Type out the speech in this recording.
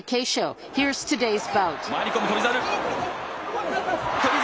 回り込む、翔猿。